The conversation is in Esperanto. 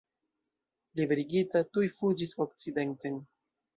Liberigita, tuj fuĝis okcidenten.